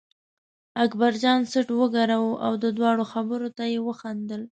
اکبرجان څټ و ګراوه او د دواړو خبرو ته یې وخندل.